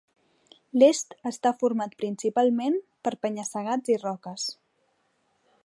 L'est està format principalment per penya-segats i roques.